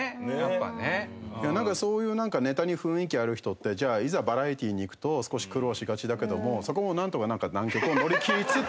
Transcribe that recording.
いやなんかそういうネタに雰囲気ある人っていざバラエティーにいくと少し苦労しがちだけどもそこもなんとか難局を乗り切りつつ。